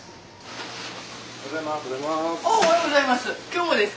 おはようございます。